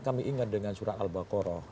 kami ingat dengan surat al baqarah